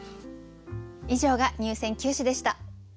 以上が入選九首でした。